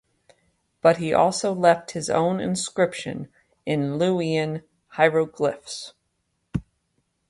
But he also left his own inscription in Luwian hieroglyphs.